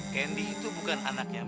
kendi itu bukan anaknya itu